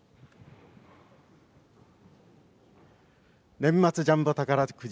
年末ジャンボ宝くじ